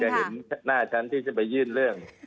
เห็นหน้าฉันที่จะไปยื่นเรื่อง